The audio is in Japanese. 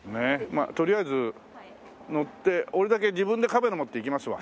まあとりあえず乗って俺だけ自分でカメラ持って行きますわ。